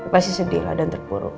pasti sedih lah dan terpuruk